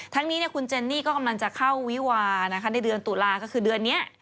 ทั้งนี้คุณเจนนี่ก็กำลังจะเข้าวิวานะคะในเดือนตุลาก็คือเดือนนี้